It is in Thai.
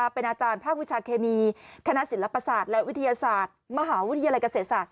เป็นอาจารย์ภาควิชาเคมีคณะศิลปศาสตร์และวิทยาศาสตร์มหาวิทยาลัยเกษตรศาสต